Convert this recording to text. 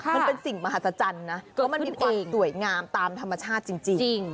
ค่ะมันเป็นสิ่งมหัศจรรย์นะเพราะมันเป็นความสวยงามตามธรรมชาติจริงจริงจริง